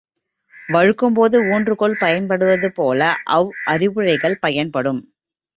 வழுக்கும்போது ஊன்றுகோல் பயன்படுவது போல அவ் அறிவுரைகள் பயன்படும்.